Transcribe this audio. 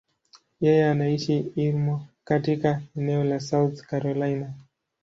Yeye anaishi Irmo, katika eneo la South Carolina.